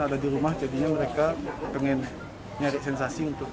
ada di rumah jadinya